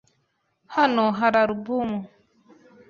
Hano hari alubumu .